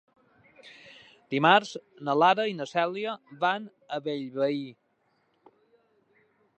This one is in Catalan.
Dimarts na Lara i na Cèlia van a Bellvei.